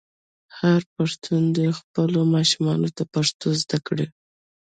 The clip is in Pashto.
هر پښتون دې خپلو ماشومانو ته پښتو زده کړه.